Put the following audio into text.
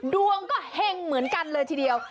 ดวงก็เห็งเหมือนกันเลยทีเดียว